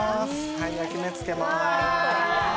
焼き目つけます。